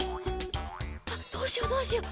あっどうしようどうしよう！